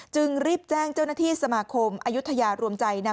จึงรีบแจ้งเจ้าหน้าที่สมาคมอายุทยารวมใจนำ